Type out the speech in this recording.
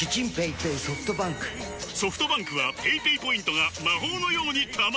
ソフトバンクはペイペイポイントが魔法のように貯まる！